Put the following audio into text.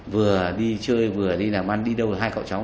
vừa đi chơi vừa đi làm ăn đi đâu là hai cậu cháu đi vào hùng